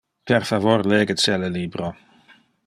Per favor lege celle libro.